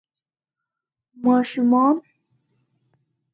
ماشومان